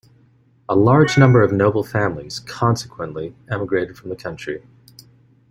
A large number of noble families, consequently, emigrated from the country.